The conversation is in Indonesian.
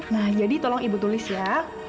nah jadi tolong ibu tulis ya